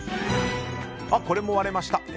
これも割れました